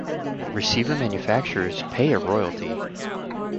Receiver manufacturers pay a royalty.